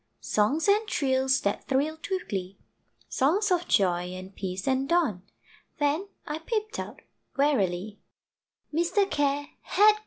Songs and trills that thrilled with glee, Songs of joy, and peace, and dawn Then I peeped out warily Mr. Care had gone!